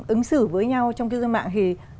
ứng xử với nhau trong cư dân mạng thì